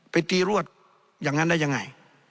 ไปตีรวดอย่างนั้นได้ยังไง